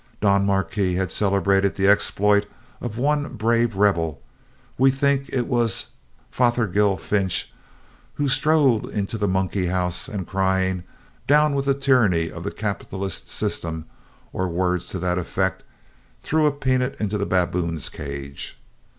Don Marquis has celebrated the exploit of one brave rebel, we think it was Fothergil Finch, who strode into the monkey house and crying "Down with the tyranny of the capitalist system," or words to that effect, threw a peanut into the baboon's cage.